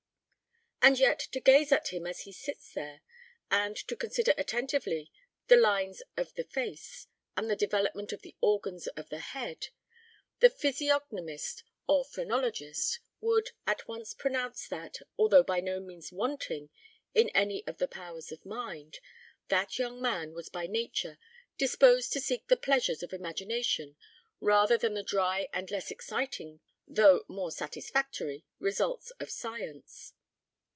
And yet to gaze at him as he sits there, and to consider attentively the lines of the face, and the development of the organs of the head, the physiognomist or phrenologist would, at once pronounce that, although by no means wanting in any of the powers of mind, that young man was by nature disposed to seek the pleasures of imagination rather than the dry and less exciting, though more satisfactory, results of science.